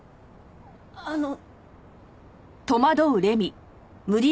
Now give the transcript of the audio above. あの。